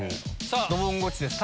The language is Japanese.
さぁドボンゴチです